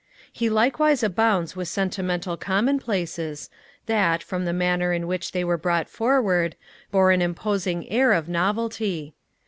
He likewise abounds with sentimental commonplaces, that, from the manner in which they were brought forward, bore an imposing air of novelty.